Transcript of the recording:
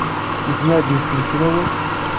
Nezmer ad nessenfel awal?